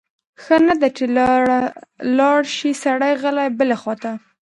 ښه نه ده چې لاړ شی سړی غلی بلې خواته؟